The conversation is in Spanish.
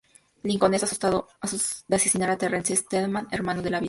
Lincoln es acusado de asesinar a Terrence Steadman, hermano de la vicepresidenta.